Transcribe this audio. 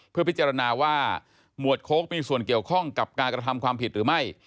เพื่อพิจารณาว่าหมวดโค้กมีส่วนเกี่ยวข้องกับการกระทำความผิดหรือไม่